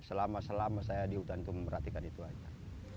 selama selama saya di hutan itu memperhatikan itu aja